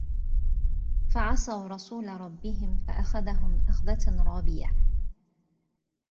فَعَصَوا رَسولَ رَبِّهِم فَأَخَذَهُم أَخذَةً رابِيَةً